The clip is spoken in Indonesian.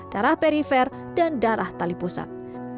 darah perifer dan darah tali pusat